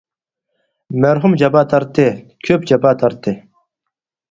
مەرھۇم جاپا تارتتى، كۆپ جاپا تارتتى.